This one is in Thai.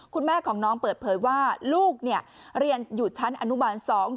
คุณแม่ของน้องเปิดเผยว่าลูกเนี่ยเรียนอยู่ชั้นอนุบาลสอง